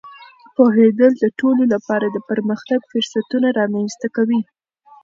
پوهېدل د ټولو لپاره د پرمختګ فرصتونه رامینځته کوي.